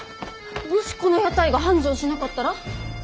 もしこの屋台が繁盛しなかったら？